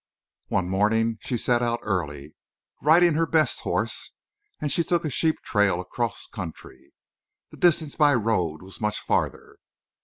One morning she set out early, riding her best horse, and she took a sheep trail across country. The distance by road was much farther.